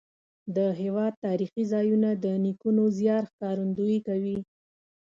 د هېواد تاریخي ځایونه د نیکونو زیار ښکارندویي کوي.